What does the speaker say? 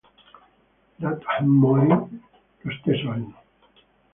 Latham morì lo stesso anno.